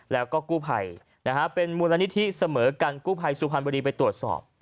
แล้วก็กู้ภัยนะฮะเป็นมูลนิธิเสมอกันกู้ภัยสุพรรณบุรีไปตรวจสอบ